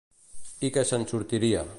I que se'n sortiria.